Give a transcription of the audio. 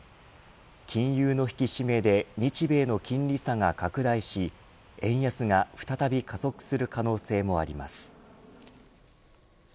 金融の引き締めで日米の金利差が拡大し円安が再び加速する可能性もあります。